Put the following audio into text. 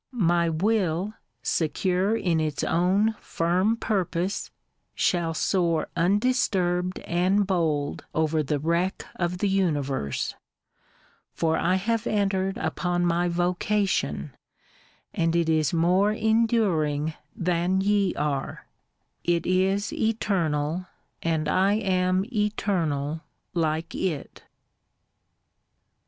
— My Will, secure in its own firm purpose, shall soar undisturbed and bold over the wreck of the universe: — for I have entered upon my vocation, and it is more enduring than ye are : it is Eternal, and I am Eternal, like it.'